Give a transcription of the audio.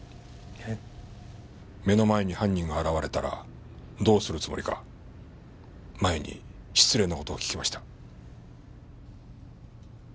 目の前に犯人が現れたらどうするつもりか前に失礼な事を聞きました。